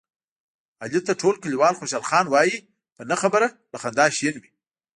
علي ته ټول کلیوال خوشحال خان وایي، په نه خبره له خندا شین وي.